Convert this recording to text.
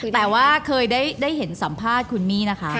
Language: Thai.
แต่ว่าเคยได้เห็นสัมภาษณ์คุณมี่นะคะ